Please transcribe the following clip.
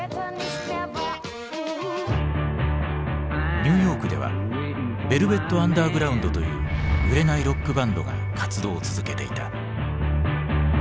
ニューヨークではヴェルヴェット・アンダーグラウンドという売れないロックバンドが活動を続けていた。